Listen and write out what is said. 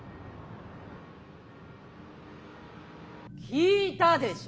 聞いたでしょ。